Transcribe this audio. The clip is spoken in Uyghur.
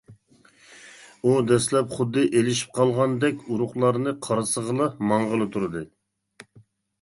ئۇ دەسلەپ خۇددى ئېلىشىپ قالغاندەك ئۇرۇقلارنى قارىسىغىلا ماڭغىلى تۇردى.